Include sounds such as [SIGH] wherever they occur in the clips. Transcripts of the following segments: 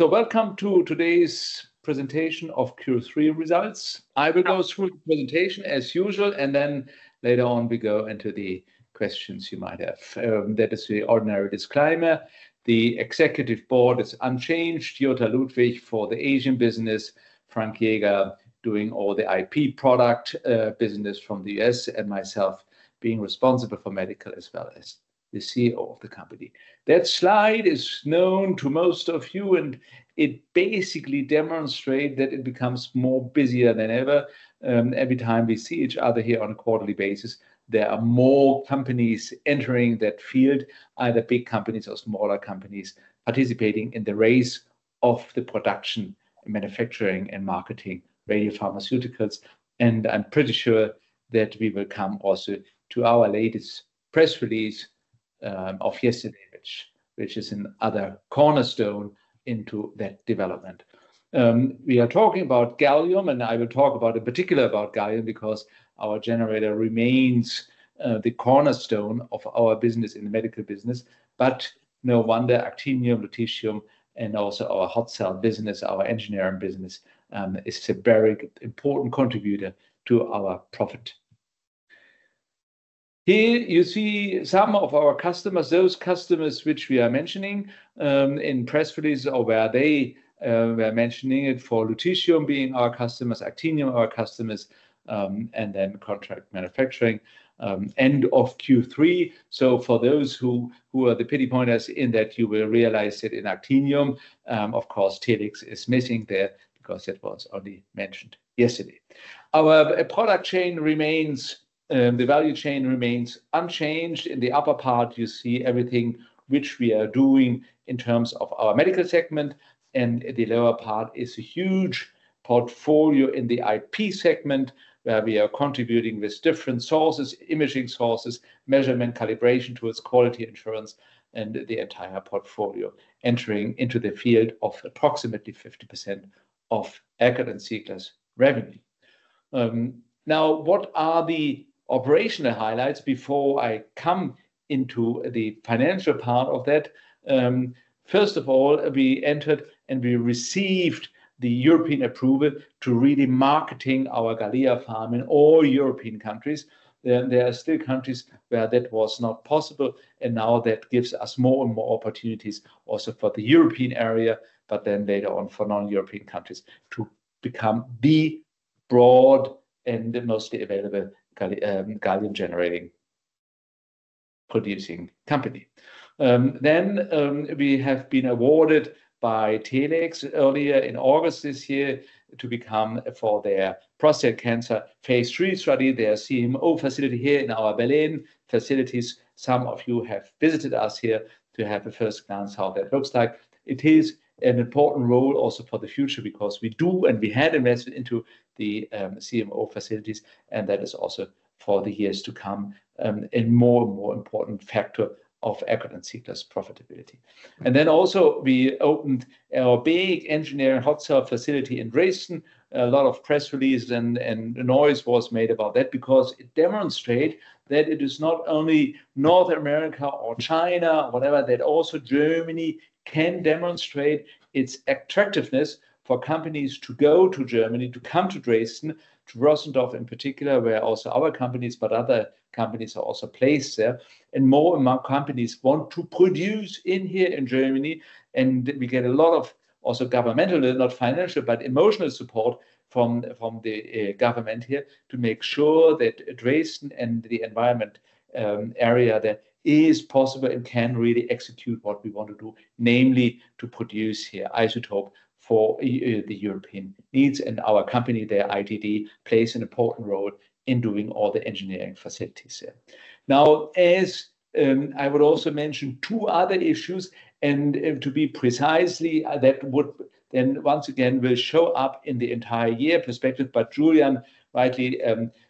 Welcome to today's presentation of Q3 results. I will go through the presentation as usual, later on we go into the questions you might have. That is the ordinary disclaimer. The executive board is unchanged. Jutta Ludwig for the Asian business, Frank Yeager doing all the IP product business from the U.S., and myself being responsible for medical as well as the CEO of the company. That slide is known to most of you, it basically demonstrate that it becomes more busier than ever. Every time we see each other here on a quarterly basis, there are more companies entering that field, either big companies or smaller companies participating in the race of the production, manufacturing, and marketing radiopharmaceuticals. I'm pretty sure that we will come also to our latest press release of yesterday, which is another cornerstone into that development. We are talking about gallium, and I will talk about, in particular about gallium because our generator remains the cornerstone of our business in the medical business. No wonder actinium, lutetium, and also our hot cell business, our engineering business, is a very important contributor to our profit. Here you see some of our customers, those customers which we are mentioning in press releases or where they were mentioning it for lutetium being our customers, actinium our customers, and then contract manufacturing end of Q3. For those who are the petty pointers in that you will realize that in actinium, of course, Telix is missing there because it was only mentioned yesterday. Our product chain remains, the value chain remains unchanged. In the upper part you see everything which we are doing in terms of our medical segment, and the lower part is a huge portfolio in the IP segment where we are contributing with different sources, imaging sources, measurement calibration towards quality assurance and the entire portfolio entering into the field of approximately 50% of Eckert & Ziegler's revenue. What are the operational highlights before I come into the financial part of that? First of all, we entered and we received the European approval to really marketing our GalliaPharm in all European countries. There are still countries where that was not possible, and now that gives us more and more opportunities also for the European area, but later on for non-European countries to become the broad and mostly available gallium-generating producing company. We have been awarded by Telix earlier in August this year to become for their prostate cancer phase III study, their CMO facility here in our Berlin facilities. Some of you have visited us here to have a first glance how that looks like. It is an important role also for the future because we do and we had invested into the CMO facilities, and that is also for the years to come, and more and more important factor of Eckert & Ziegler's profitability. We opened our big engineering hot cell facility in Dresden. A lot of press release and noise was made about that because it demonstrate that it is not only North America or China, whatever, that also Germany can demonstrate its attractiveness for companies to go to Germany, to come to Dresden, to Rossendorf in particular, where also our companies but other companies are also placed there. More and more companies want to produce in here in Germany, and we get a lot of also governmental, not financial, but emotional support from the government here to make sure that Dresden and the environment area that is possible and can really execute what we want to do. Namely, to produce here isotope for the European needs, and our company there, ITD, plays an important role in doing all the engineering facilities there. Now, as, I would also mention two other issues and to be precisely that would then once again will show up in the entire year perspective. Julian rightly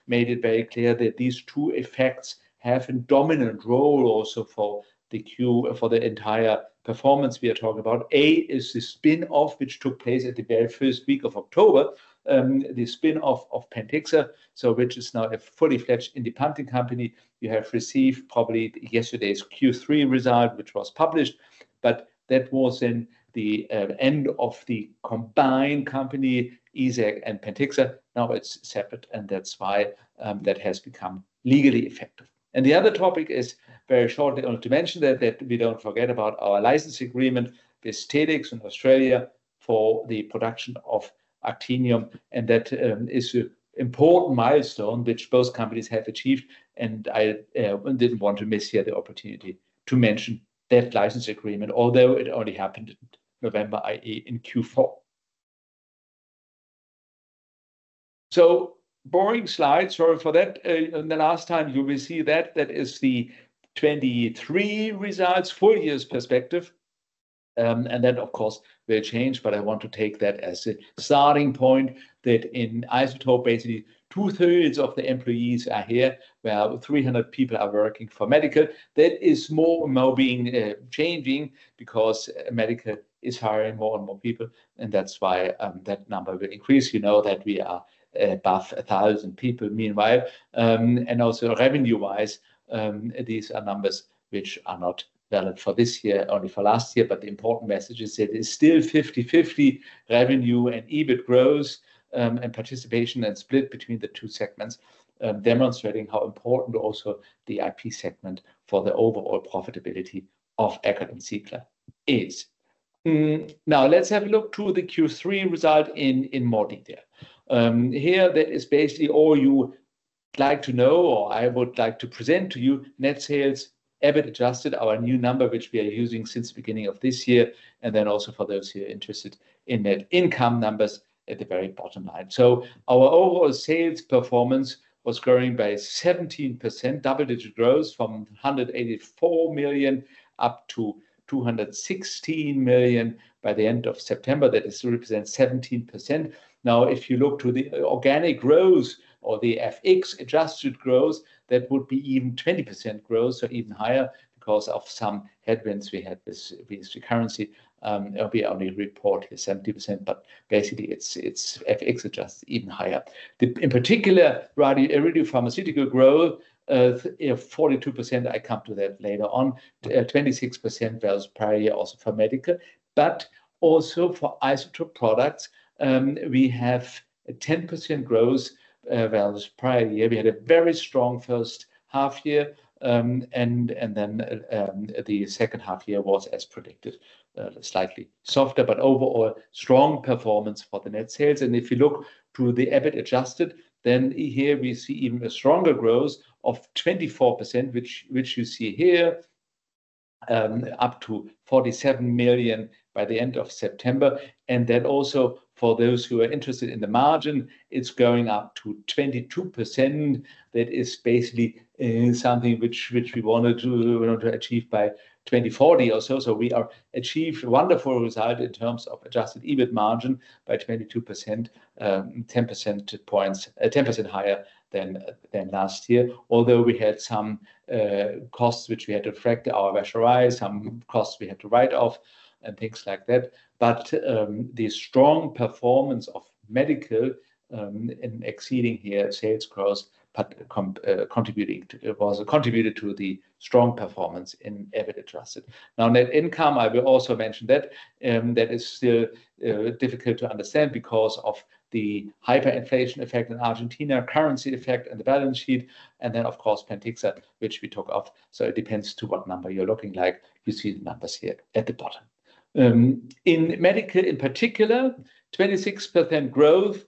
made it very clear that these two effects have a dominant role also for the Q, for the entire performance we are talking about. A is the spin-off which took place at the very 1st week of October, the spin-off of Pentixa. Which is now a fully-fledged independent company. You have received probably yesterday's Q3 result, which was published, but that was in the end of the combined company, Eckert & Ziegler and Pentixa. Now it's separate, and that's why that has become legally effective. The other topic is very shortly only to mention that we don't forget about our license agreement with Telix in Australia for the production of actinium, and that is a important milestone which both companies have achieved. I didn't want to miss here the opportunity to mention that license agreement, although it only happened in November, i.e. in Q4. Boring slide, sorry for that. The last time you will see that is the 23 results, four years perspective. Then of course will change, but I want to take that as a starting point that in Isotope Products segment basically two-thirds of the employees are here, where 300 people are working for medical. That is more and more being changing because medical is hiring more and more people. That's why that number will increase. You know that we are above 1,000 people meanwhile. Also revenue-wise, these are numbers which are not valid for this year, only for last year. The important message is that it's still 50/50 revenue and EBIT growth, and participation and split between the two segments, demonstrating how important also the Isotope Products segment for the overall profitability of Eckert & Ziegler is. Now let's have a look to the Q3 result in more detail. Here that is basically all you like to know, or I would like to present to you. Net sales, Adjusted EBIT, our new number which we are using since beginning of this year, also for those who are interested in net income numbers at the very bottom line. Our overall sales performance was growing by 17%, double-digit growth from 184 million up to 216 million by the end of September. That is, represents 17%. If you look to the organic growth or the FX adjusted growth, that would be even 20% growth or even higher because of some headwinds we had with the currency. We only report the 17%, but basically it's FX adjusted even higher. In particular, radiopharmaceutical growth of, you know, 42%. I come to that later on. 26% was prior year also for medical, but also for Isotope Products, we have a 10% growth versus prior year. We had a very strong first half-year, then the second half-year was as predicted, slightly softer, but overall strong performance for the net sales. If you look to the Adjusted EBIT, then here we see even a stronger growth of 24%, which you see here, up to 47 million by the end of September. Then also for those who are interested in the margin, it's going up to 22%. That is basically something we want to achieve by 2040 or so. We achieve wonderful result in terms of Adjusted EBIT margin by 22%, 10 percentage points higher than last year. Although we had some costs which we had to factor our rationalize, some costs we had to write off and things like that. The strong performance of medical in exceeding here sales growth, but contributed to the strong performance in EBIT adjusted. Net income, I will also mention that that is still difficult to understand because of the hyperinflation effect in Argentina, currency effect and the balance sheet, and then of course Pentixa, which we talk of. It depends to what number you're looking like. You see the numbers here at the bottom. In medical in particular, 26% growth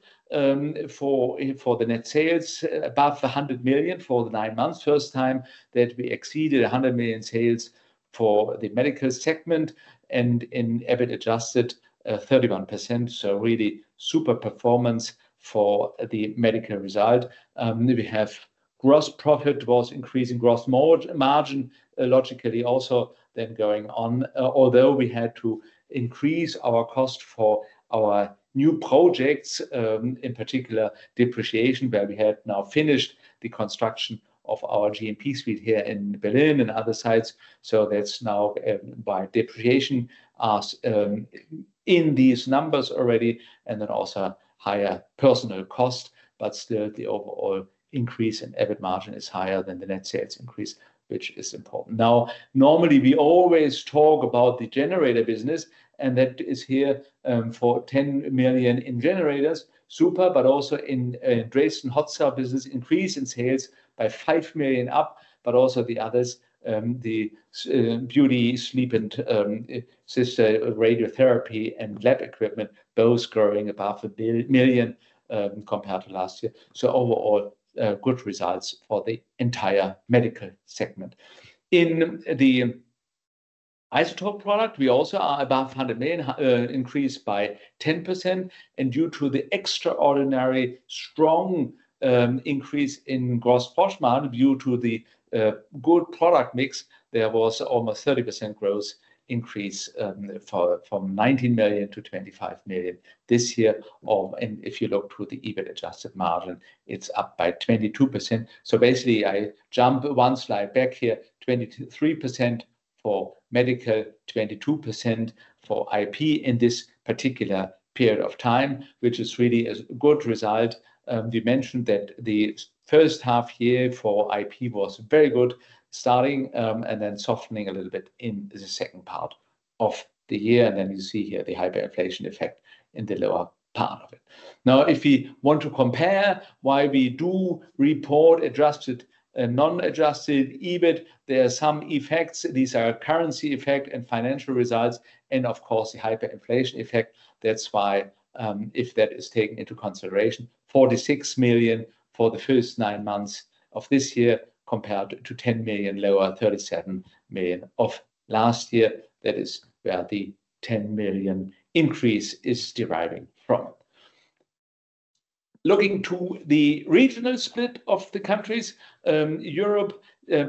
for the net sales above 100 million for the nine months. First time that we exceeded 100 million sales for the medical segment and in EBIT adjusted, 31%. Really super performance for the medical result. We have gross profit was increasing gross margin, logically also then going on, although we had to increase our cost for our new projects, in particular depreciation, where we had now finished the construction of our GMP suite here in Berlin and other sites. That is now, by depreciation, in these numbers already, and then also higher personal cost. Still the overall increase in EBIT margin is higher than the net sales increase, which is important. Normally we always talk about the generator business, and that is here, for 10 million in generators, super. Also in Dresden, hot cell business increase in sales by 5 million up. Also the others, the brachytherapy and [Sirtex] radiotherapy and lab equipment, both growing above 1 million compared to last year. Overall, good results for the entire medical segment. In the Isotope Products, we also are above 100 million, increased by 10%. Due to the extraordinary strong increase in gross margin due to the good product mix, there was almost 30% growth increase from 19 million to 25 million this year. If you look to the EBIT adjusted margin, it's up by 22%. I jump one slide back here, 23% for medical, 22% for IP in this particular period of time, which is really a good result. We mentioned that the first half year for Isotope Products segment was very good starting, and then softening a little bit in the second part of the year. You see here the hyperinflation effect in the lower part of it. If we want to compare why we do report Adjusted EBIT and non-adjusted EBIT, there are some effects. These are currency effect and financial results and of course the hyperinflation effect. If that is taken into consideration, 46 million for the first nine months of this year compared to 10 million lower, 37 million of last year. That is where the 10 million increase is deriving from. Looking to the regional split of the countries, Europe,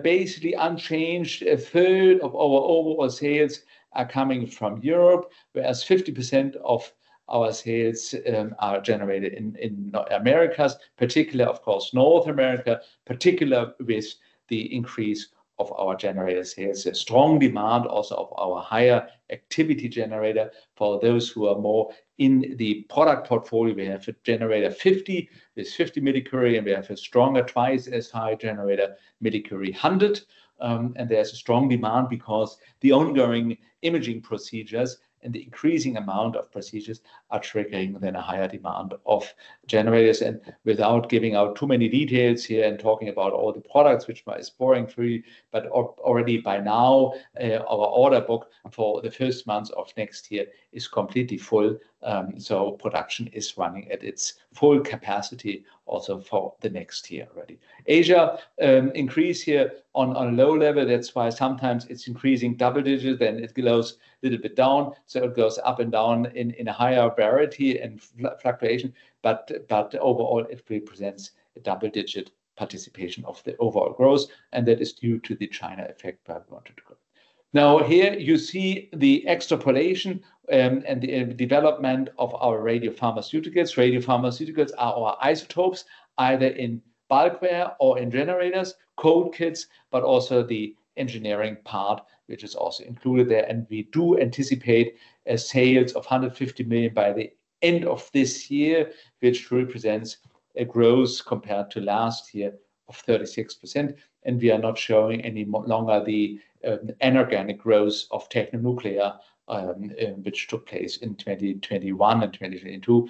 basically unchanged. A third of our overall sales are coming from Europe, whereas 50% of our sales are generated in Americas, particularly of course, North America, particularly with the increase of our generator sales. A strong demand also of our higher activity generator for those who are more in the product portfolio. We have a generator 50. There's 50 millicurie, and we have a stronger, twice as high generator, 100 millicurie. There's a strong demand because the ongoing imaging procedures and the increasing amount of procedures are triggering then a higher demand of generators. Without giving out too many details here and talking about all the products, which might is boring for you, already by now, our order book for the first months of next year is completely full. Production is running at its full capacity also for the next year already. Asia, increase here on a low level. That's why sometimes it's increasing double digits, then it goes a little bit down. So it goes up and down in a higher rarity and fluctuation, but overall, it represents a double-digit participation of the overall growth, and that is due to the China effect that we wanted to grow. Here you see the extrapolation and the development of our radiopharmaceuticals. Radiopharmaceuticals are our isotopes, either in bulkware or in generators, cold kits, but also the engineering part, which is also included there. We do anticipate a sales of 150 million by the end of this year, which represents a growth compared to last year of 36%. We are not showing any longer the inorganic growth of Tecnonuclear, which took place in 2021 and 2022.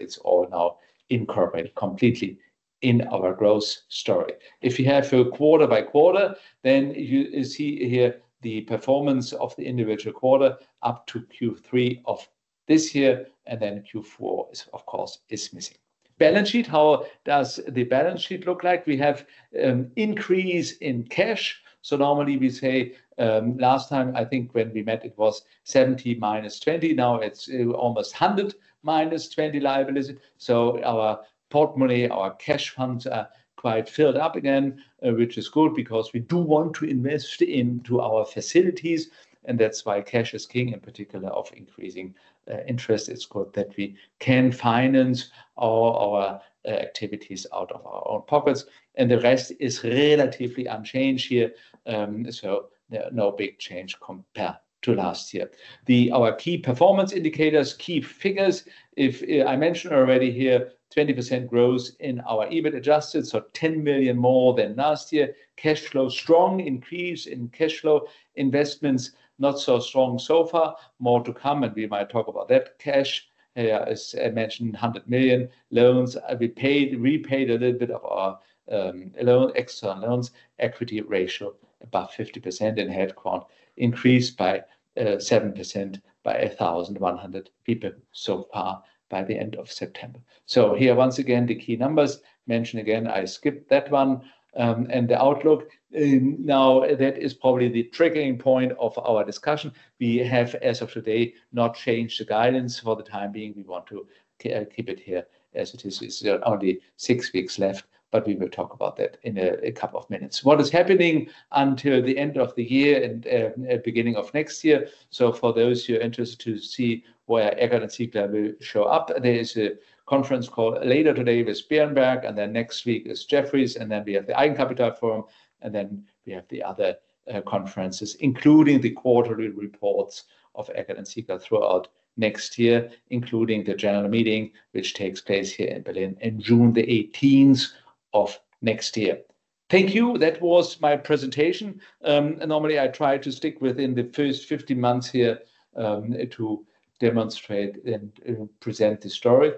It's all now incorporated completely in our growth story. If you have a quarter by quarter, you see here the performance of the individual quarter up to Q3 of this year, and Q4 is of course, is missing. Balance sheet. How does the balance sheet look like? We have increase in cash. Normally we say, last time, I think when we met, it was 70 minus 20. Now it's almost 100 minus 20 liabilities. Our portemonnaie, our cash funds are quite filled up again, which is good because we do want to invest into our facilities, and that's why cash is king, in particular of increasing interest. It's good that we can finance all our activities out of our own pockets, and the rest is relatively unchanged here. There are no big change compared to last year. Our key performance indicators, key figures. I mentioned already here, 20% growth in our Adjusted EBIT, so 10 million more than last year. Cash flow, strong increase in cash flow investments, not so strong so far. More to come, and we might talk about that cash, as I mentioned, 100 million loans, we repaid a little bit of our loan, external loans. Equity ratio, above 50% and headcount increased by 7% by 1,100 people so far by the end of September. Here, once again, the key numbers, mention again, I skipped that one. The outlook, now that is probably the triggering point of our discussion. We have, as of today, not changed the guidance for the time being we want to keep it here as it is. It's only six weeks left. We will talk about that in a couple of minutes. What is happening until the end of the year and beginning of next year. For those who are interested to see where Eckert & Ziegler will show up, there is a conference call later today with Berenberg. Next week is Jefferies. We have the Eigenkapitalforum. We have the other conferences, including the quarterly reports of Eckert & Ziegler throughout next year, including the general meeting, which takes place here in Berlin in June the 18th of next year. Thank you. That was my presentation. Normally, I try to stick within the first 15 months here to demonstrate and present the story.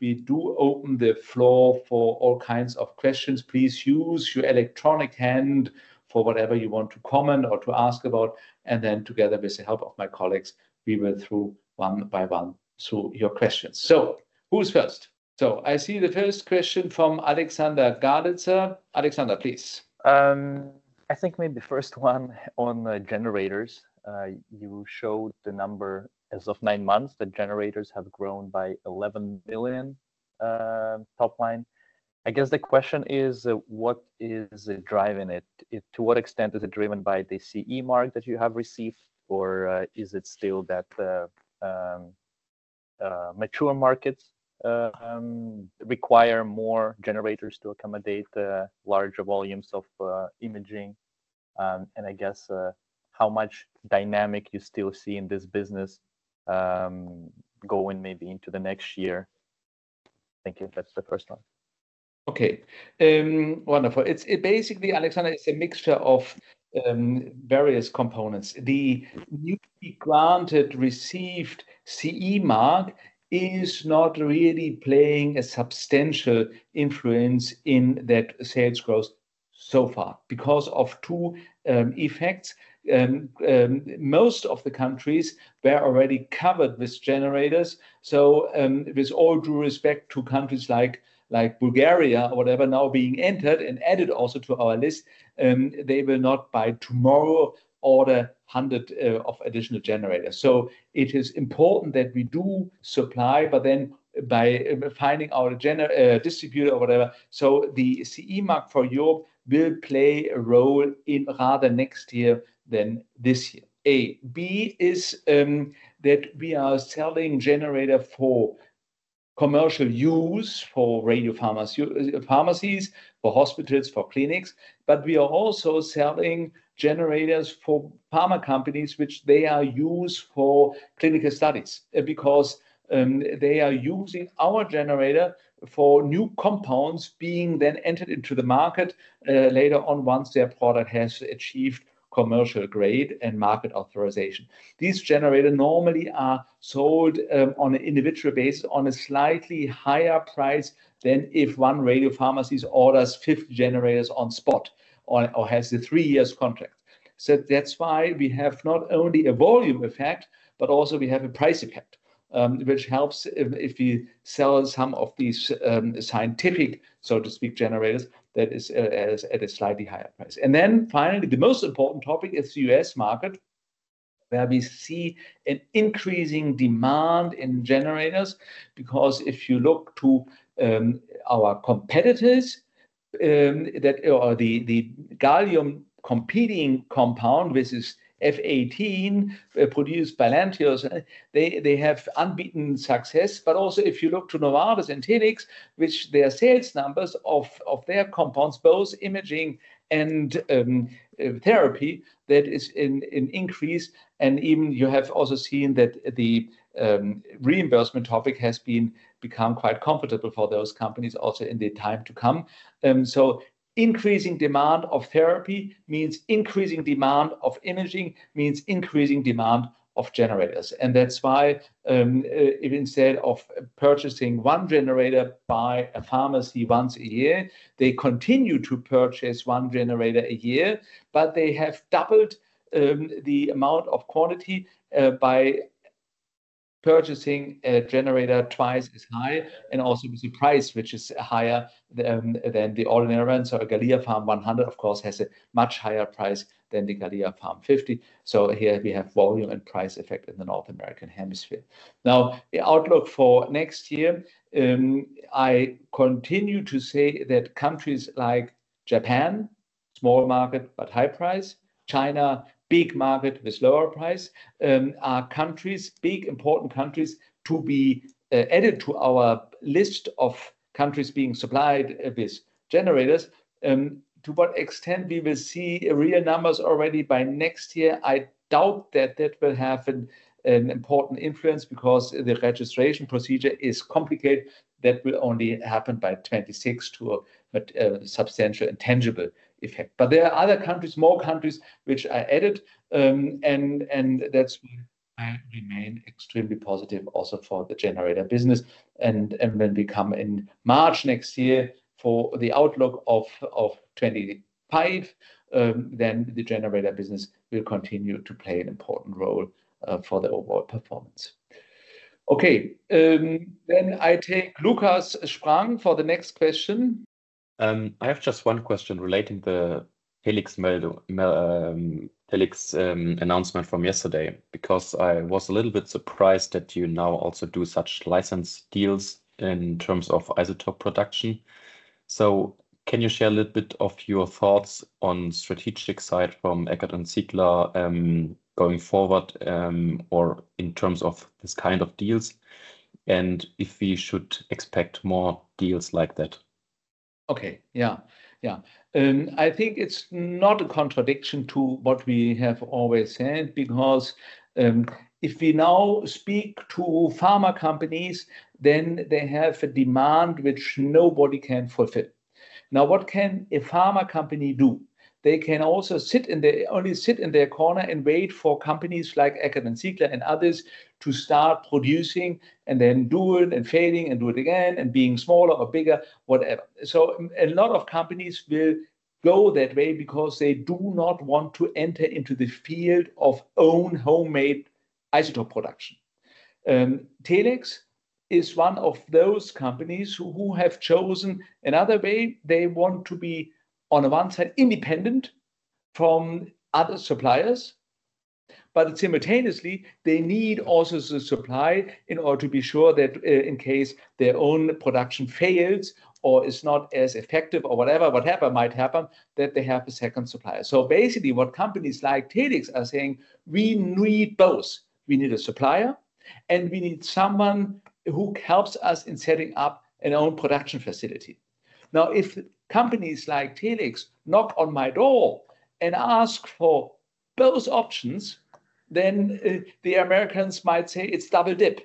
We do open the floor for all kinds of questions. Please use your electronic hand for whatever you want to comment or to ask about. Together with the help of my colleagues, we went through one by one through your questions. Who's first? I see the first question from Alexander Galitsa. Alexander, please. I think maybe first one on the generators. You showed the number as of nine months, the generators have grown by 11 billion top line. I guess the question is, what is driving it? To what extent is it driven by the CE mark that you have received or is it still that the mature markets require more generators to accommodate the larger volumes of imaging? I guess, how much dynamic you still see in this business going maybe into the next year? Thank you. That's the first one. Okay. Wonderful. Basically, Alexander, it's a mixture of various components. The newly granted received CE mark is not really playing a substantial influence in that sales growth so far because of two effects. Most of the countries were already covered with generators. With all due respect to countries like Bulgaria or whatever now being entered and added also to our list, they will not by tomorrow order 100 of additional generators. It is important that we do supply by finding our distributor or whatever. The CE mark for Europe will play a role in rather next year than this year, A. B is that we are selling generator for commercial use for radiopharmacies, pharmacies, for hospitals, for clinics, but we are also selling generators for pharma companies which they are used for clinical studies, because they are using our generator for new compounds being then entered into the market later on once their product has achieved commercial grade and market authorization. These generator normally are sold on an individual basis on a slightly higher price than if one radiopharmacies orders 50 generators on spot or has a three years contract. That's why we have not only a volume effect, but also we have a price effect, which helps if we sell some of these scientific, so to speak, generators that is at a slightly higher price. Finally, the most important topic is the U.S. market, where we see an increasing demand in generators, because if you look to our competitors, that or the gallium competing compound versus F-18, produced by Lantheus, they have unbeaten success. If you look to Novartis and Telix, which their sales numbers of their compounds, both imaging and therapy, that is in increase and even you have also seen that the reimbursement topic has been become quite comfortable for those companies also in the time to come. Increasing demand of therapy means increasing demand of imaging, means increasing demand of generators. That's why, instead of purchasing one generator by a pharmacy once a year, they continue to purchase one generator a year, but they have doubled the amount of quantity by purchasing a generator twice as high also with the price which is higher than the ordinary one. A GalliaPharm 100 of course has a much higher price than the GalliaPharm 50. Here we have volume and price effect in the North American hemisphere. The outlook for next year, I continue to say that countries like Japan, small market but high price, China, big market with lower price, are countries, big important countries to be added to our list of countries being supplied with generators. To what extent we will see real numbers already by next year, I doubt that that will have an important influence because the registration procedure is complicated. That will only happen by 2026 to a substantial and tangible effect. There are other countries, more countries which I added, and that's why I remain extremely positive also for the generator business. When we come in March next year for the outlook of 2025, the generator business will continue to play an important role for the overall performance. Okay. I take Lukas Spang for the next question. I have just one question relating the Telix announcement from yesterday, because I was a little bit surprised that you now also do such license deals in terms of isotope production. Can you share a little bit of your thoughts on strategic side from Eckert & Ziegler, going forward, or in terms of this kind of deals, and if we should expect more deals like that? Okay. Yeah. Yeah. I think it's not a contradiction to what we have always said because if we now speak to pharma companies, then they have a demand which nobody can fulfill. What can a pharma company do? They can also only sit in their corner and wait for companies like Eckert & Ziegler and others to start producing and then do it and failing and do it again and being smaller or bigger, whatever. A lot of companies will go that way because they do not want to enter into the field of own homemade isotope production. Telix is one of those companies who have chosen another way. They want to be, on the one side, independent from other suppliers. Simultaneously, they need also the supply in order to be sure that, in case their own production fails or is not as effective or whatever might happen, that they have a second supplier. Basically what companies like Telix are saying, "We need both. We need a supplier. We need someone who helps us in setting up an own production facility." If companies like Telix knock on my door and ask for both options, the Americans might say it's double dip.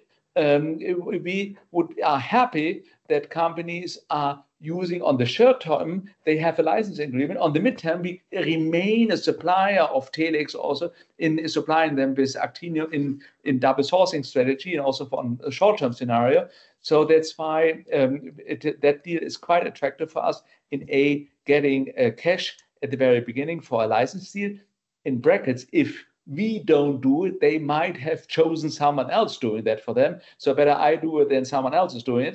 We are happy that companies are using on the short term, they have a license agreement. On the midterm, we remain a supplier of Telix also in supplying them with actinium in double sourcing strategy and also from a short-term scenario. That's why that deal is quite attractive for us in, A, getting cash at the very beginning for a license deal. In brackets, if we don't do it, they might have chosen someone else doing that for them. Better I do it than someone else is doing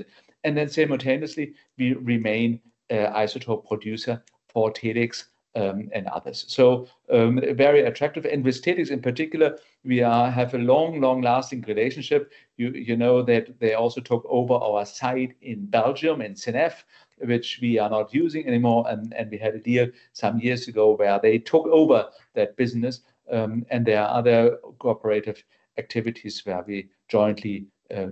it. Simultaneously, we remain a isotope producer for Telix and others, very attractive. With Telix in particular, we have a long, long-lasting relationship. You know that they also took over our site in Belgium, in Seneffe, which we are not using anymore. We had a deal some years ago where they took over that business, and there are other cooperative activities where we jointly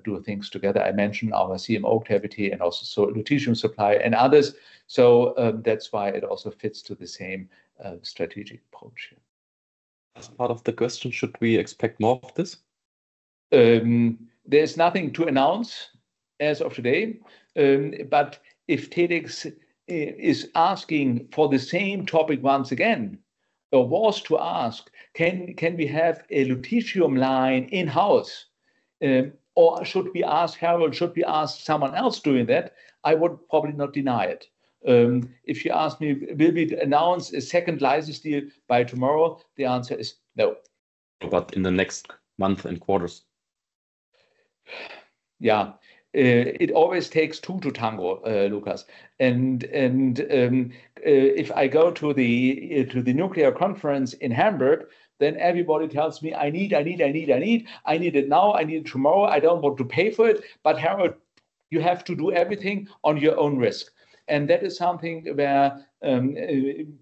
do things together. I mentioned our CMO activity and also lutetium supply and others. That's why it also fits to the same strategic approach. As part of the question, should we expect more of this? There's nothing to announce as of today. If Telix is asking for the same topic once again, or was to ask, "Can we have a lutetium line in-house? Or should we ask Harald? Should we ask someone else doing that?" I would probably not deny it. If you ask me, will we announce a second license deal by tomorrow? The answer is no. In the next month and quarters. Yeah. It always takes two to tango, Lukas. If I go to the nuclear conference in Hamburg, everybody tells me, "I need, I need, I need, I need. I need it now. I need it tomorrow. I don't want to pay for it. Harald, you have to do everything on your own risk." That is something where,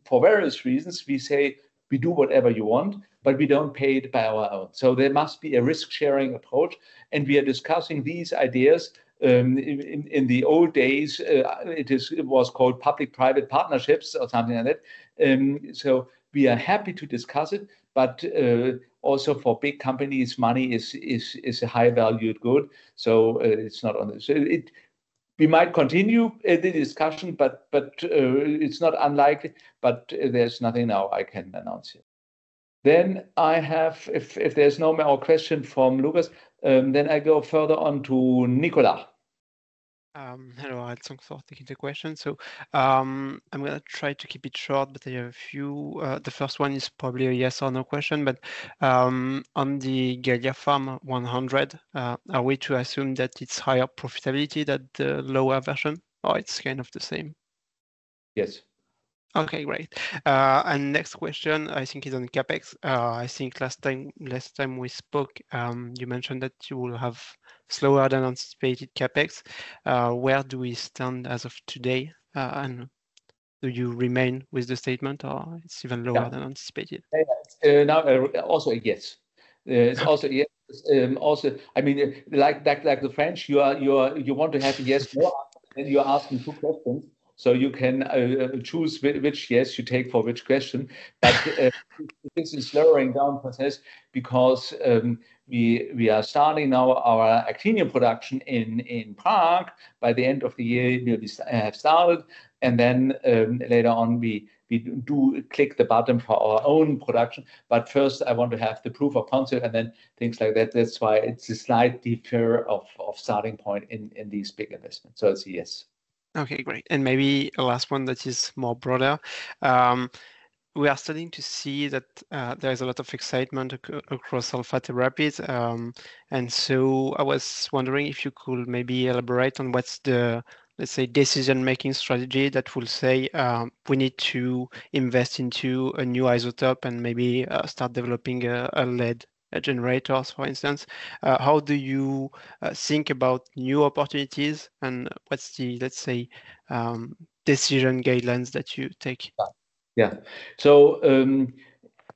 for various reasons, we say, "We do whatever you want, but we don't pay it by our own." There must be a risk-sharing approach, and we are discussing these ideas. In the old days, it was called public-private partnerships or something like that. We are happy to discuss it, but also for big companies, money is a high valued good, so it's not on the We might continue the discussion, but it's not unlikely, but there's nothing now I can announce it. If there's no more question from Lukas, I go further on to Nicolas. Hello, thanks for taking the question. I'm gonna try to keep it short, but there are a few. The first one is probably a yes or no question. On the GalliaPharm 100, are we to assume that it's higher profitability than the lower version, or it's kind of the same? Yes. Okay, great. Next question I think is on the CapEx. I think last time we spoke, you mentioned that you will have slower than anticipated CapEx. Where do we stand as of today? Do you remain with the statement or it is even lower than anticipated? Now also a yes. It's also a yes. I mean, like the French, you are, you want to have a yes more, you're asking two questions, so you can choose which yes you take for which question. This is slowing down process because we are starting now our actinium production in Prague. By the end of the year, we'll have started, later on we do click the button for our own production. First I want to have the proof of concept things like that. That's why it's a slight deeper of starting point in these big investments. It's a yes. Okay, great. Maybe a last one that is more broader. We are starting to see that there is a lot of excitement across alpha therapies. I was wondering if you could maybe elaborate on what's the, let's say, decision-making strategy that will say, we need to invest into a new isotope and maybe start developing a lead-212 generator, for instance. How do you think about new opportunities, and what's the, let's say, decision guidelines that you take?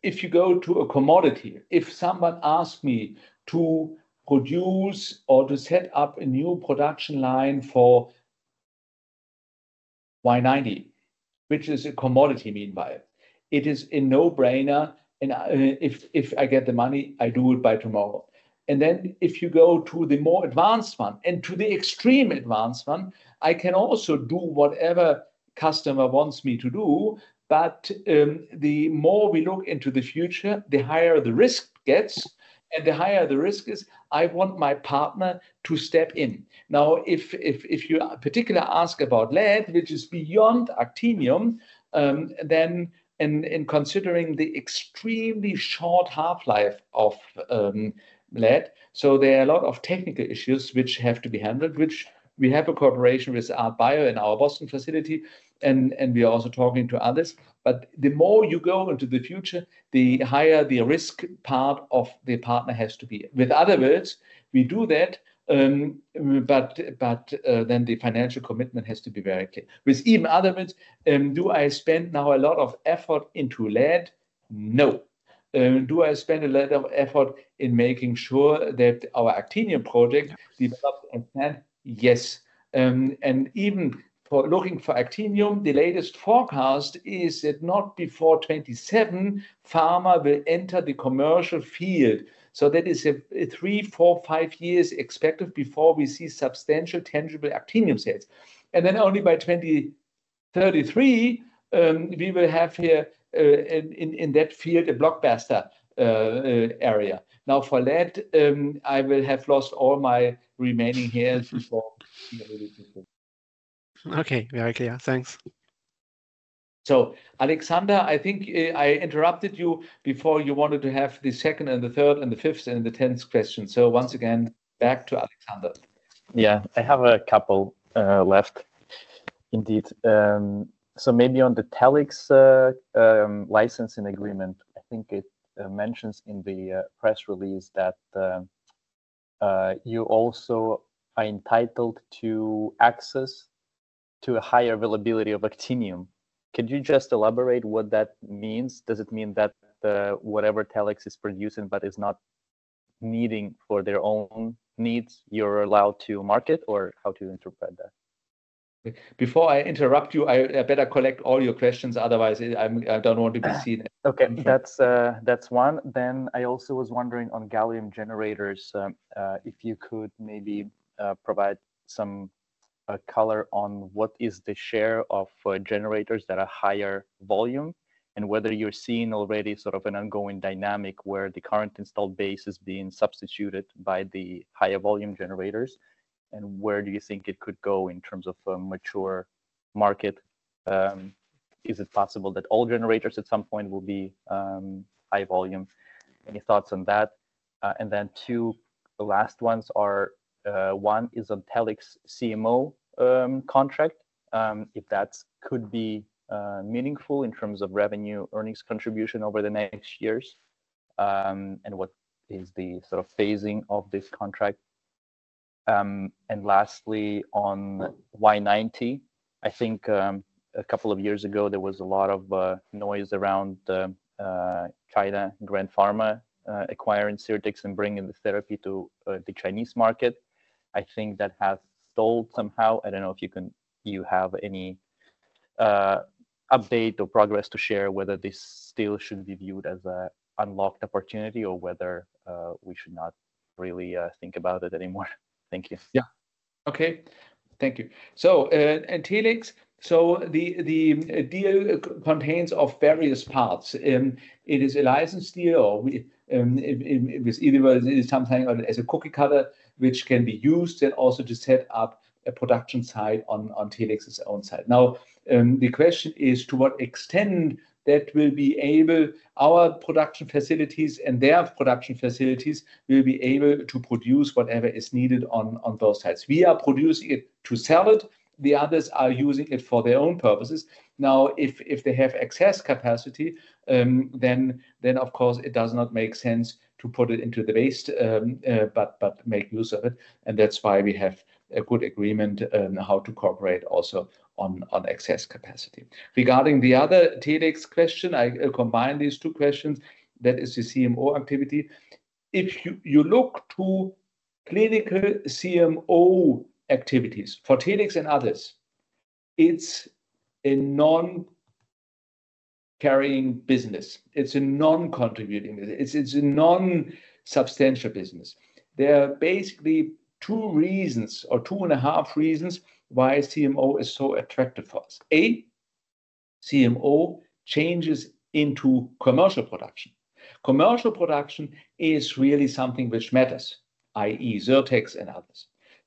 If you go to a commodity, if someone asks me to produce or to set up a new production line for Y-90, which is a commodity meanwhile, it is a no-brainer and if I get the money, I do it by tomorrow. If you go to the more advanced one and to the extreme advanced one, I can also do whatever customer wants me to do. The more we look into the future, the higher the risk gets, and the higher the risk is, I want my partner to step in. Now, if you particularly ask about lead-212, which is beyond actinium, then in considering the extremely short half-life of lead-212, there are a lot of technical issues which have to be handled, which we have a cooperation with ARTBIO in our Boston facility and we are also talking to others. The more you go into the future, the higher the risk part of the partner has to be. With other words, we do that, but the financial commitment has to be very clear. With even other words, do I spend now a lot of effort into lead-212? No. Do I spend a lot of effort in making sure that our actinium project develops as planned? Yes. Even for looking for actinium, the latest forecast is that not before 2027 pharma will enter the commercial field. That is a three, four, five years expected before we see substantial tangible actinium sales. Only by 2033, we will have here in that field a blockbuster area. For lead-212, I will have lost all my remaining hairs before seeing anything. Okay, very clear. Thanks. Alexander, I think I interrupted you before you wanted to have the second and the third and the fifth and the 10th question. Once again, back to Alexander. Yeah. I have a couple left indeed. Maybe on the Telix licensing agreement, I think it mentions in the press release that you also are entitled to access to a higher availability of actinium. Could you just elaborate what that means? Does it mean that whatever Telix is producing but is not needing for their own needs, you're allowed to market? Or how to interpret that? Before I interrupt you, I better collect all your questions, otherwise I don't want to be seen. Okay. That's one. I also was wondering on gallium generators, if you could maybe provide some color on what is the share of generators that are higher volume, and whether you're seeing already sort of an ongoing dynamic where the current installed base is being substituted by the higher volume generators. Where do you think it could go in terms of a mature market? Is it possible that all generators at some point will be high volume? Any thoughts on that? Two last ones are, one is on Telix CMO contract, if that could be meaningful in terms of revenue earnings contribution over the next years, and what is the sort of phasing of this contract? Lastly, on Y-90. I think, a couple of years ago, there was a lot of noise around China Grand Pharma, acquiring Sirtex Medical and bringing the therapy to the Chinese market. I think that has stalled somehow. I don't know if you have any update or progress to share whether this still should be viewed as a unlocked opportunity or whether we should not really think about it anymore. Thank you. Yeah. Okay. Thank you. In Telix, the deal contains of various parts. It is a licensed deal, or we, is something as a cookie cutter, which can be used and also to set up a production site on Telix's own site. The question is to what extent that we'll be able, our production facilities and their production facilities will be able to produce whatever is needed on those sites. We are producing it to sell it, the others are using it for their own purposes. If they have excess capacity, of course it does not make sense to put it into the waste, make use of it. That's why we have a good agreement on how to cooperate also on excess capacity. Regarding the other Telix question, I combine these two questions, that is the CMO activity. If you look to clinical CMO activities for Telix and others, it's a non-carrying business. It's a non-contributing business. It's a non-substantial business. There are basically two reasons or two and a half reasons why CMO is so attractive for us. A, CMO changes into commercial production. Commercial production is really something which matters,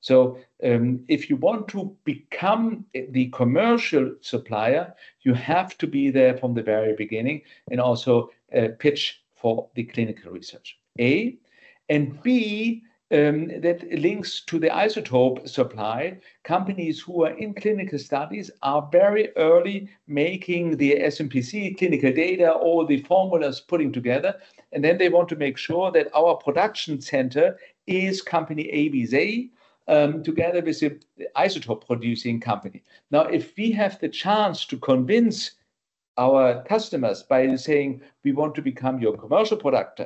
i.e. Sirtex and others. If you want to become the commercial supplier, you have to be there from the very beginning and also pitch for the clinical research, A. B, that links to the isotope supply. Companies who are in clinical studies are very early making the SmPC clinical data, all the formulas putting together, and then they want to make sure that our production center is company A, B, Z, together with the isotope-producing company. If we have the chance to convince our customers by saying, "We want to become your commercial product,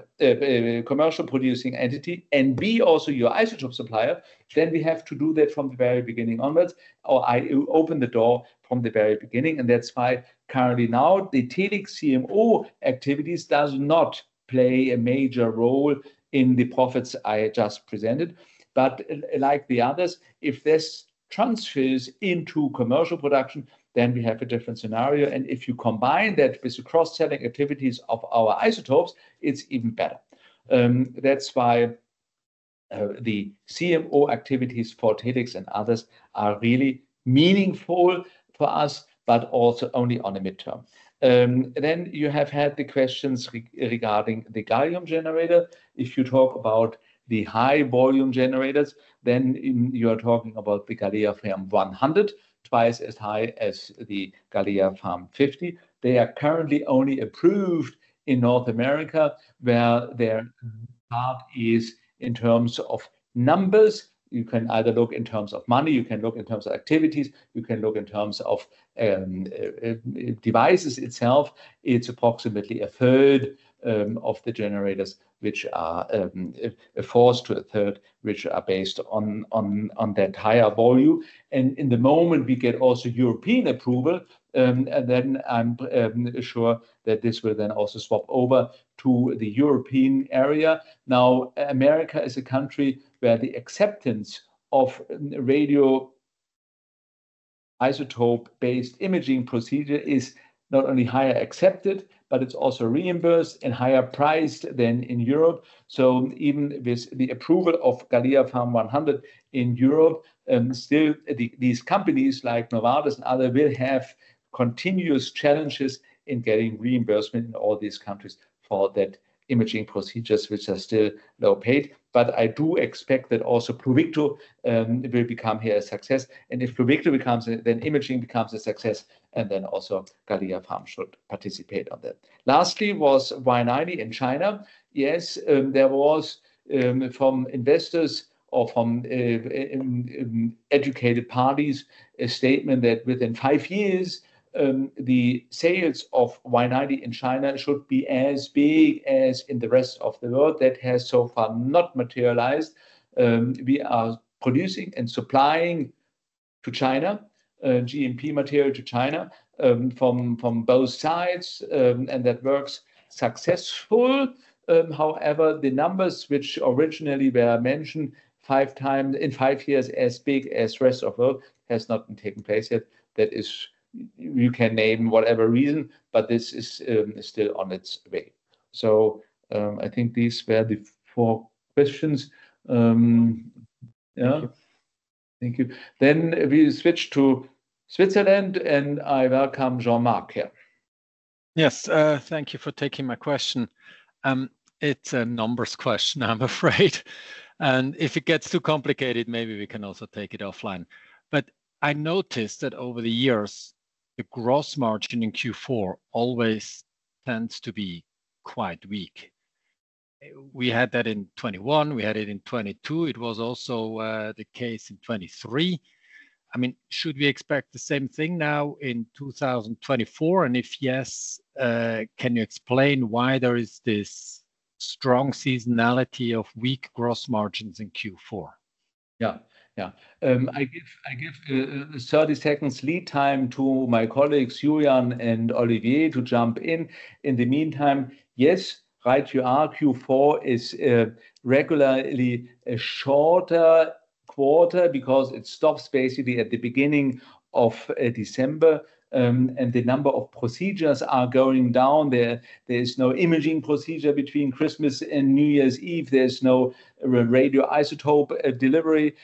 commercial producing entity, and be also your isotope supplier," then we have to do that from the very beginning onwards, or open the door from the very beginning, and that's why currently now the Telix CMO activities does not play a major role in the profits I just presented. Like the others, if this transfers into commercial production, then we have a different scenario, and if you combine that with the cross-selling activities of our isotopes, it's even better. That's why the CMO activities for Telix and others are really meaningful for us, but also only on a midterm. Then you have had the questions regarding the gallium generator. If you talk about the high volume generators, then you are talking about the GalliaPharm 100, twice as high as the GalliaPharm 50. They are currently only approved in North America, where their part is in terms of numbers. You can either look in terms of money, you can look in terms of activities, you can look in terms of devices itself. It's approximately a third of the generators which are a fourth to a third, which are based on that higher volume. In the moment we get also European approval, then I'm sure that this will then also swap over to the European area. The America is a country where the acceptance of radioisotope-based imaging procedure is not only higher accepted, but it's also reimbursed and higher priced than in Europe. Even with the approval of GalliaPharm 100 in Europe, still these companies like Novartis and other will have continuous challenges in getting reimbursement in all these countries for that imaging procedures which are still low paid. I do expect that also Pluvicto will become here a success. If Pluvicto becomes, then imaging becomes a success, also GalliaPharm should participate on that. Lastly was Y-90 in China. Yes, there was from investors or from educated parties, a statement that within five years, the sales of Y-90 in China should be as big as in the rest of the world. That has so far not materialized. We are producing and supplying to China, GMP material to China, from both sides. That works successful. However, the numbers which originally were mentioned five times in five years as big as rest of world, has not been taking place yet. That is, you can name whatever reason, but this is still on its way. I think these were the four questions. Yeah. Thank you. Thank you. We switch to Switzerland, and I welcome Jean-Marc here. Yes. Thank you for taking my question. It's a numbers question, I'm afraid. If it gets too complicated, maybe we can also take it offline. I noticed that over the years, the gross margin in Q4 always tends to be quite weak. We had that in 2021, we had it in 2022. It was also the case in 2023. I mean, should we expect the same thing now in 2024? If yes, can you explain why there is this strong seasonality of weak gross margins in Q4? Yeah. Yeah. I give 30 seconds lead time to my colleagues, Julian and Olivier, to jump in. In the meantime, yes, right you are, Q4 is regularly a shorter quarter because it stops basically at the beginning of December. The number of procedures are going down. There's no imaging procedure between Christmas and New Year's Eve. There's no radioisotope delivery.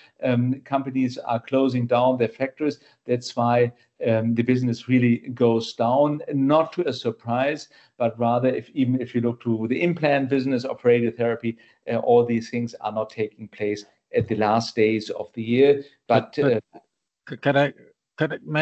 Companies are closing down their factories. That's why the business really goes down, not to a surprise, but rather if even if you look to the implant business or radiotherapy, all these things are not taking place at the last days of the year. May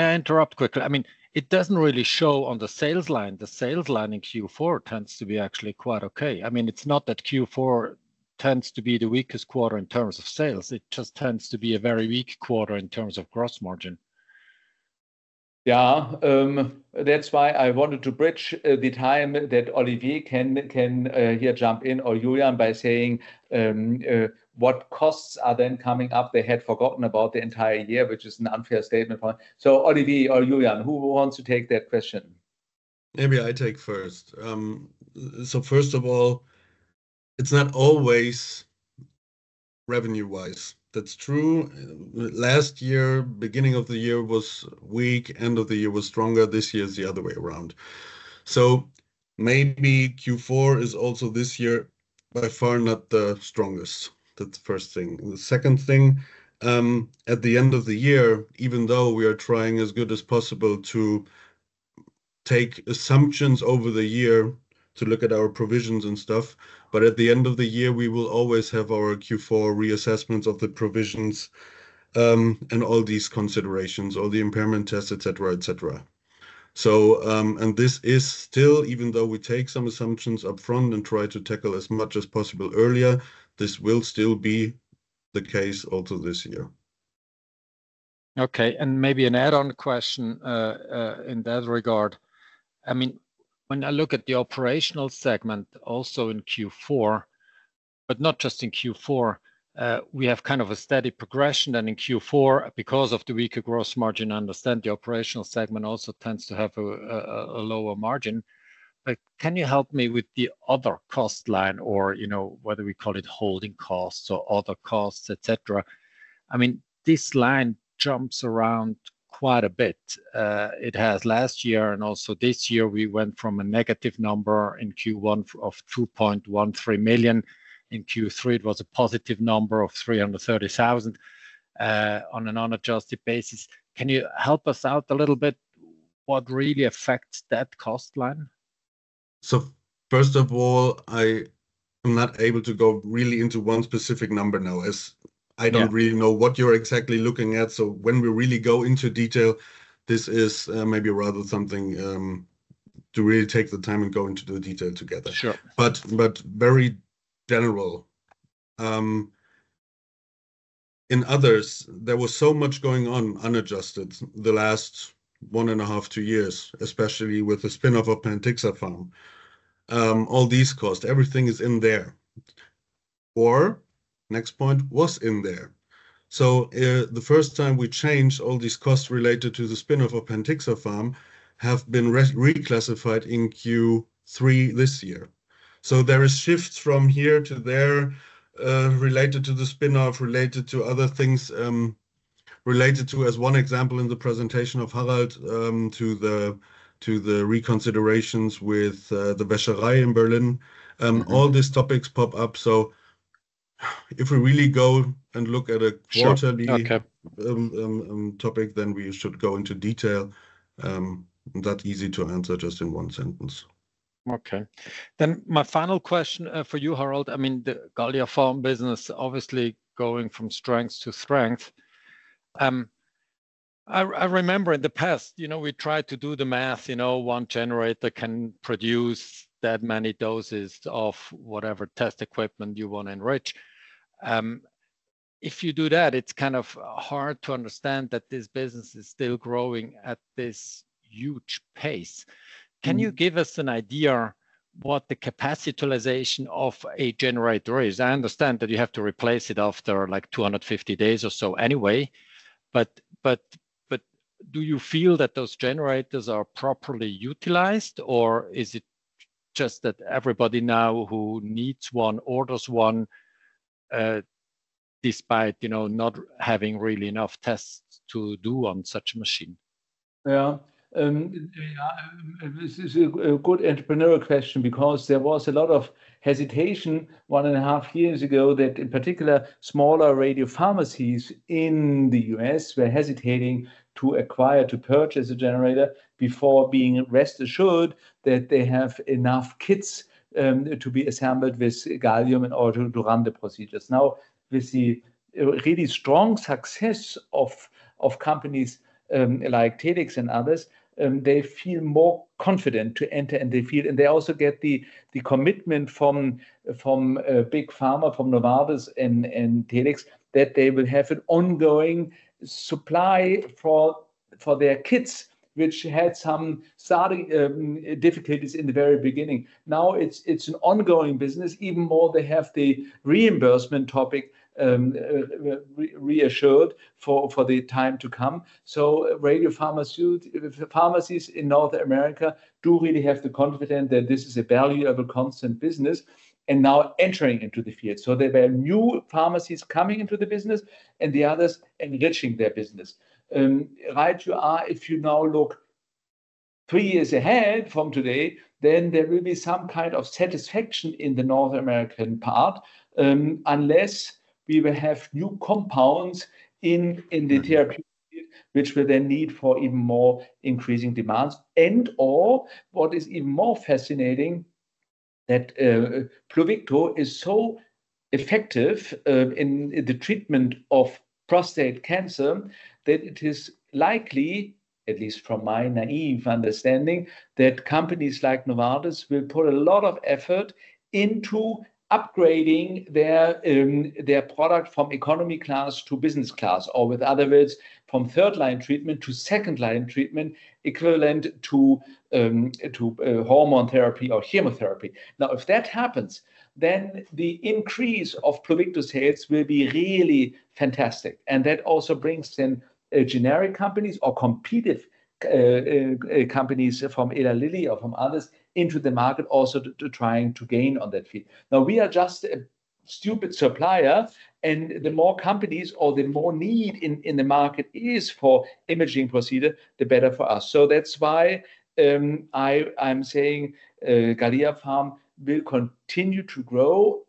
I interrupt quickly? I mean, it doesn't really show on the sales line. The sales line in Q4 tends to be actually quite okay. I mean, it's not that Q4 tends to be the weakest quarter in terms of sales, it just tends to be a very weak quarter in terms of gross margin. Yeah. That's why I wanted to bridge the time that Olivier can here jump in or Julian by saying what costs are then coming up they had forgotten about the entire year, which is an unfair statement for. Olivier or Julian, who wants to take that question? Maybe I take first. First of all, it's not always revenue-wise. That's true. Last year, beginning of the year was weak, end of the year was stronger. This year is the other way around. Maybe Q4 is also this year by far not the strongest. That's the first thing. The second thing, at the end of the year, even though we are trying as good as possible to take assumptions over the year to look at our provisions and stuff, but at the end of the year, we will always have our Q4 reassessments of the provisions and all these considerations, all the impairment tests, et cetera, et cetera. And this is still, even though we take some assumptions upfront and try to tackle as much as possible earlier, this will still be the case also this year. Okay. Maybe an add-on question in that regard. I mean, when I look at the operational segment also in Q4, but not just in Q4, we have kind of a steady progression. In Q4, because of the weaker gross margin, I understand the operational segment also tends to have a lower margin. Can you help me with the other cost line or, you know, whether we call it holding costs or other costs, et cetera. I mean, this line jumps around quite a bit. It has last year and also this year we went from a negative number in Q1 of 2.13 million. In Q3, it was a positive number of 330,000 on a non-adjusted basis. Can you help us out a little bit what really affects that cost line? First of all, I am not able to go really into one specific number now. Yeah I don't really know what you're exactly looking at. When we really go into detail, this is maybe rather something to really take the time and go into the detail together. Sure. Very general, in others, there was so much going on unadjusted the last one and a half, two years, especially with the spin-off of Pentixapharm. All these costs, everything is in there, or next point, was in there. The first time we changed all these costs related to the spin-off of Pentixapharm have been reclassified in Q3 this year. There is shifts from here to there, related to the spin-off, related to other things, related to, as one example in the presentation of Harald, to the, to the reconsiderations with, the [INAUDIBLE] in Berlin. Mm-hmm All these topics pop up. If we really go and look at a Sure. Okay. Topic, then we should go into detail. Not easy to answer just in one sentence. Okay. My final question for you, Harald? I mean, the GalliaPharm business obviously going from strength to strength. I remember in the past, you know, we tried to do the math, you know, one generator can produce that many doses of whatever test equipment you want to enrich. If you do that, it is kind of hard to understand that this business is still growing at this huge pace. Mm-hmm. Can you give us an idea what the capitalization of a generator is? I understand that you have to replace it after, like, 250 days or so anyway. Do you feel that those generators are properly utilized or is it just that everybody now who needs one, orders one, despite, you know, not having really enough tests to do on such a machine? This is a good entrepreneurial question because there was a lot of hesitation one and half years ago that in particular, smaller radiopharmacies in the U.S. were hesitating to acquire, to purchase a generator before being rest assured that they have enough kits to be assembled with gallium in order to run the procedures. With the really strong success of companies like Telix and others, they feel more confident to enter and they feel. They also get the commitment from big pharma, from Novartis and Telix that they will have an ongoing supply for their kits, which had some starting difficulties in the very beginning. It's an ongoing business. Even more they have the reimbursement topic reassured for the time to come. Radiopharmacies in North America do really have the confidence that this is a valuable, constant business, and now entering into the field. There were new pharmacies coming into the business and the others enriching their business. Right you are, if you now look three years ahead from today, then there will be some kind of satisfaction in the North American part, unless we will have new compounds in the therapy, which we then need for even more increasing demands and/or what is even more fascinating, that Pluvicto is so effective in the treatment of prostate cancer that it is likely, at least from my naive understanding, that companies like Novartis will put a lot of effort into upgrading their product from economy class to business class, or with other words, from third-line treatment to second-line treatment equivalent to hormone therapy or chemotherapy. If that happens, the increase of Pluvicto sales will be really fantastic, and that also brings in generic companies or competitive companies from Eli Lilly or from others into the market to trying to gain on that field. We are just a stupid supplier, the more companies or the more need in the market is for imaging procedure, the better for us. That's why I'm saying GalliaPharm will continue to grow,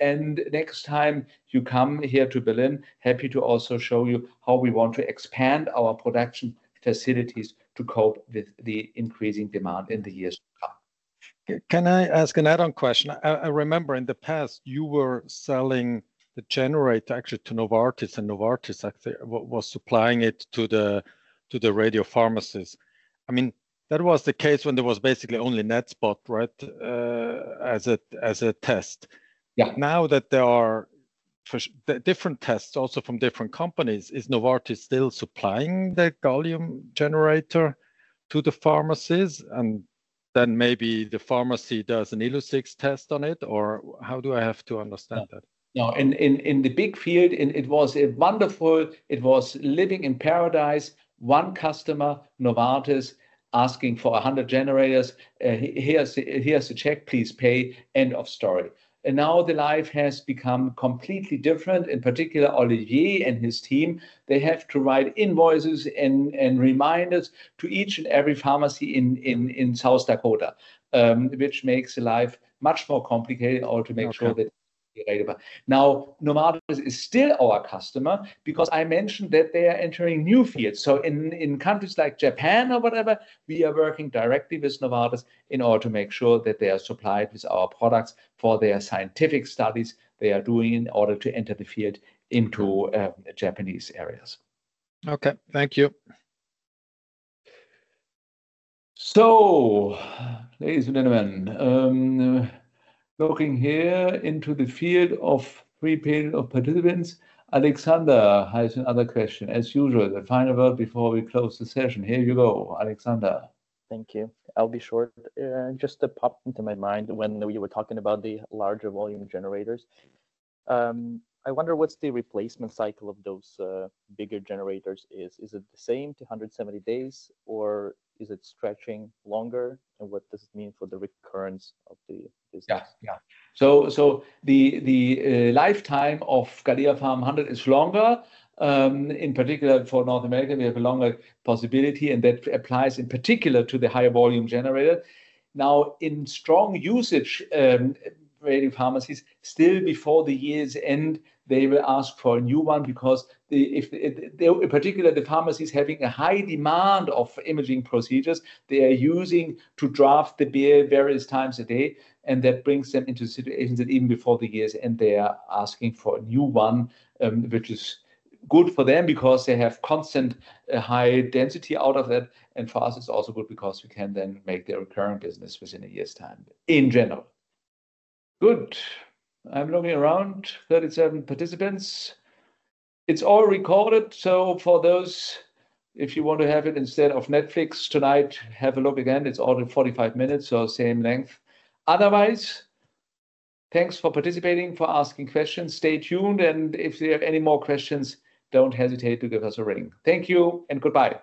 next time you come here to Berlin, happy to also show you how we want to expand our production facilities to cope with the increasing demand in the years to come. Can I ask an add-on question? I remember in the past you were selling the generator actually to Novartis, and Novartis actually was supplying it to the radiopharmacies. I mean, that was the case when there was basically only NETSPOT, right, as a test. Yeah. Now that there are different tests also from different companies, is Novartis still supplying that gallium generator to the pharmacies? Maybe the pharmacy does an Illuccix test on it, or how do I have to understand that? No. In the big field, it was a wonderful, it was living in paradise. One customer, Novartis, asking for 100 generators. "Here's the check, please pay." End of story. Now the life has become completely different, in particular, Olivier and his team, they have to write invoices and reminders to each and every pharmacy in South Dakota, which makes life much more complicated or to make sure that- Okay. Now, Novartis is still our customer because I mentioned that they are entering new fields. So in countries like Japan or whatever, we are working directly with Novartis in order to make sure that they are supplying our products for their scientific studies they are are doing in order to enter the field into Japanese areas. Okay. Thank you. So, Ladies and gentlemen looking here into [INAUDIBLE] of participants Alexander ask a question, as usual I turn offer before we close the session. Here you go. Alexander? Thank you. I'll be short. Just that popped into my mind when we were talking about the larger volume generators. I wonder what's the replacement cycle of those bigger generators is. Is it the same, 270 days, or is it stretching longer, and what does it mean for the recurrence of the business? Yeah. Yeah. The lifetime of GalliaPharm 100 is longer. In particular for North America, we have a longer possibility, and that applies in particular to the higher volume generator. Now, in strong usage, radiopharmacies, still before the year's end, they will ask for a new one because the... In particular, the pharmacy is having a high demand of imaging procedures, they are using to draft the various times a day, and that brings them into situations that even before the year's end, they are asking for a new one, which is good for them because they have constant high density out of it. For us it's also good because we can then make the recurrent business within a year's time in general. Good. I'm looking around, 37 participants. It's all recorded, so for those, if you want to have it instead of Netflix tonight, have a look again. It's all in 45 minutes, so same length. Otherwise, thanks for participating, for asking questions. Stay tuned, and if you have any more questions, don't hesitate to give us a ring. Thank you and goodbye